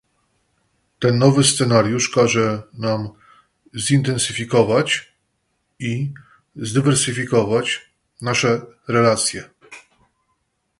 Ten nowy scenariusz każe nam zintensyfikować i zdywersyfikować nasze relacje